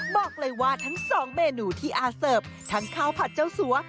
บอกเลยว่าทั้งสองเมนูที่อาเสิร์ฟทั้งข้าวผัดเจ้าสัว